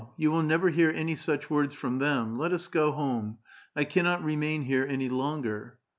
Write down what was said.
You will never hear any such words from them. Let us go home. I cannot remain here any longer."